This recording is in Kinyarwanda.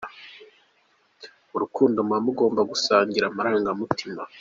Mu rukundo muba mugomba gusangira amarangamutima.